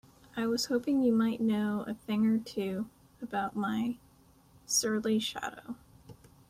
I was hoping you might know a thing or two about my surly shadow?